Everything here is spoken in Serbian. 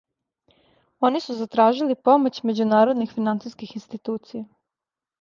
Они су затражили помоћ међународних финансијских институција.